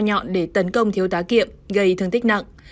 nói nhọn để tấn công thiếu tá kiệp gây thương tích nặng